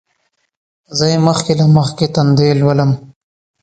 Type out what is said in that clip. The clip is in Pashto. زه یې مخکې له مخکې تندی لولم.